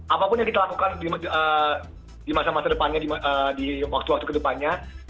apapun yang kita lakukan di masa masa depannya di waktu waktu kedepannya